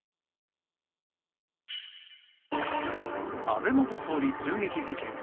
安倍元総理銃撃事件。